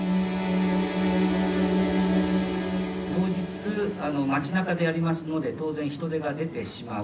当日街なかでやりますので当然人出が出てしまう。